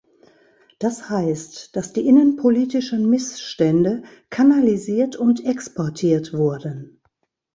Das heißt, dass die innenpolitischen Missstände kanalisiert und exportiert wurden.